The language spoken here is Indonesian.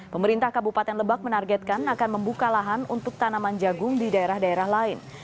pemerintah kabupaten lebak menargetkan akan membuka lahan untuk tanaman jagung di daerah daerah lain